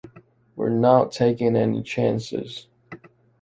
We're not taking any chances.